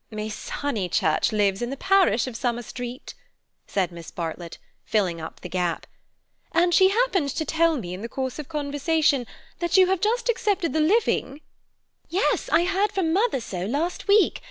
"Miss Honeychurch lives in the parish of Summer Street," said Miss Bartlett, filling up the gap, "and she happened to tell me in the course of conversation that you have just accepted the living—" "Yes, I heard from mother so last week.